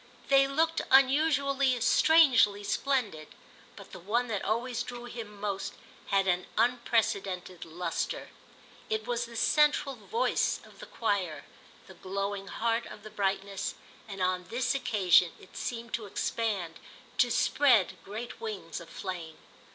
They looked unusually, strangely splendid, but the one that always drew him most had an unprecedented lustre. It was the central voice of the choir, the glowing heart of the brightness, and on this occasion it seemed to expand, to spread great wings of flame.